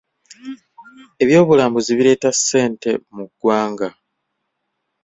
Eby'obulambuzi bireeta ssente mu ggwanga.